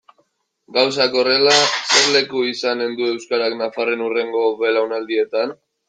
Gauzak horrela, zer leku izanen du euskarak nafarren hurrengo belaunaldietan?